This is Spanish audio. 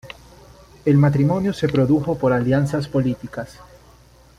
El matrimonio se produjo por alianzas políticas.